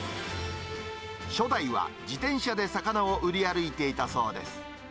初代は自転車で魚を売り歩いていたそうです。